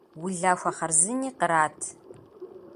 Улахуэ хъарзыни кърат.